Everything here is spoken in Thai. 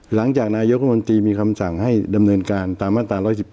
หลังจากนายเยาะคุณมนตรีมีคำสั่งให้ดำเนินการตามมาตรา๑๑๐